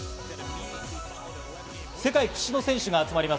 世界屈指の選手が集まります